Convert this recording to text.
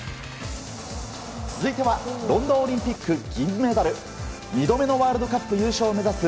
続いてはロンドンオリンピック銀メダル２度目のワールドカップ優勝を目指す